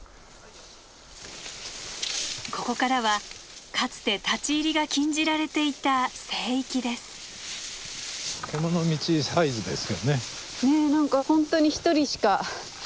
ここからはかつて立ち入りが禁じられていた聖域です。